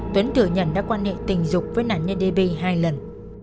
tuấn thừa nhận đã quan hệ tình dục với nạn nhân db hai lần